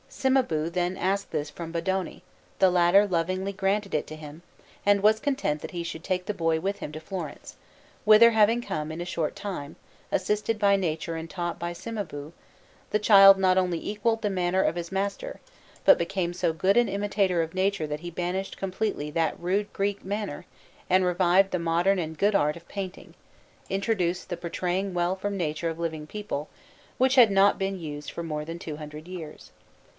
Cimabue then asking this from Bondone, the latter lovingly granted it to him, and was content that he should take the boy with him to Florence; whither having come, in a short time, assisted by nature and taught by Cimabue, the child not only equalled the manner of his master, but became so good an imitator of nature that he banished completely that rude Greek manner and revived the modern and good art of painting, introducing the portraying well from nature of living people, which had not been used for more than two hundred years.